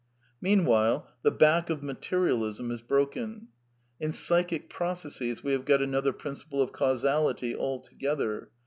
Meanwhile, the back of materialism is broken. In psychic processes we have got another principle of causality altogether.